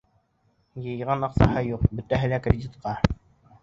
Йыйған аҡсаһы юҡ, бөтәһе лә кредитҡа.